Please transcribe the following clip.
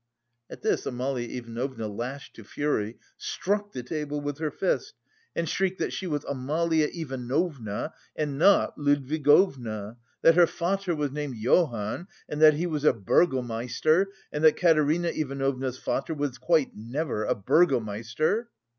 At this Amalia Ivanovna, lashed to fury, struck the table with her fist, and shrieked that she was Amalia Ivanovna, and not Ludwigovna, "that her Vater was named Johann and that he was a burgomeister, and that Katerina Ivanovna's Vater was quite never a burgomeister."